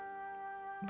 karena gue tau